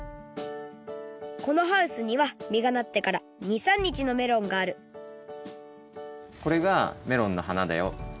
このハウスにはみがなってから２３にちのメロンがあるこれがメロンの花だよ。